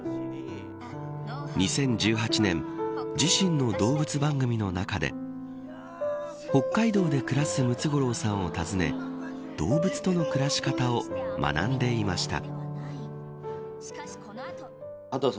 ２０１８年自身の動物番組の中で北海道で暮らすムツゴロウさんを訪ね動物との暮らし方を学んでいました。